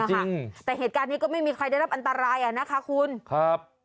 แต่เหตุการณ์นี้ก็ไม่มีใครได้รับอันตรายอ่ะนะคะคุณครับ